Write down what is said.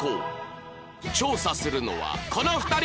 調査するのはこの２人